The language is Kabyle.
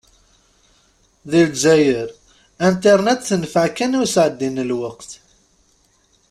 Di lezzayer, Internet tenfeε kan i usεeddi n lweqt.